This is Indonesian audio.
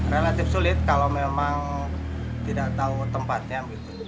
relatif sulit kalau memang tidak tahu tempatnya